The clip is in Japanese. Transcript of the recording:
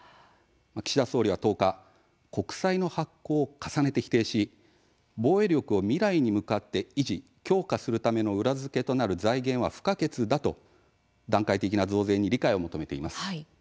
岸田総理は１０日国債の発行を重ねて否定し防衛力を未来に向かって維持、強化するための裏付けとなる財源は不可欠だと段階的な増税に理解を求めています。